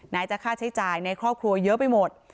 ไหนจะค่าใช้จ่ายในครอบครัวเยอะไปหมด